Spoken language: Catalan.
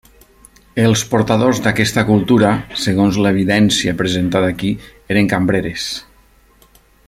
Els portadors d'aquesta cultura, segons l’evidència presentada aquí, eren cambreres.